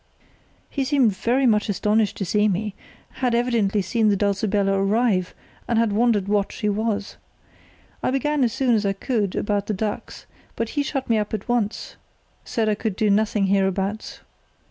"He seemed very much astonished to see me; had evidently seen the Dulcibella arrive, and had wondered what she was. I began as soon as I could about the ducks, but he shut me up at once, said I could do nothing hereabouts.